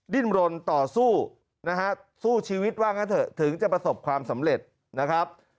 ดิ้นรนต่อสู้นะฮะสู้ชีวิตว่างั้นเถอะถึงจะประสบความสำเร็จนะครับ